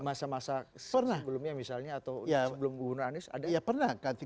di masa masa sebelumnya misalnya atau sebelum gubernur anies ada presiden itu